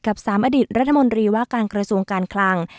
๓อดีตรัฐมนตรีว่าการกระทรวงการคลัง